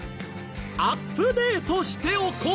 アップデートしておこう。